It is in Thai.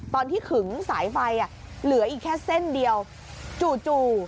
ขึงสายไฟเหลืออีกแค่เส้นเดียวจู่จู่